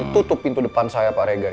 tutup pintu depan saya pak rega